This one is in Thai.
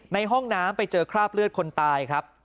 ในห้องน้ำไปเจอคราบเลือดคนตายครับ